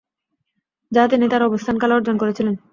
যা তিনি তার অবস্থানকালে অর্জন করেছিলেন।